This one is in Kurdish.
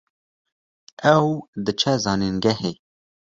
Ew diçe zanîngehê